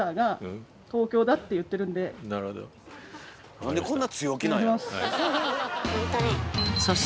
なんでこんな強気なんやろ。